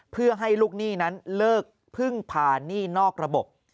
เพื่อให้ลูกหนี้นั้นเลิกพึ่งพาหนี้นอกระบบ